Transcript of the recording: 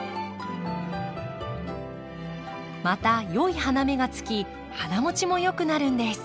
また良い花芽がつき花もちもよくなるんです。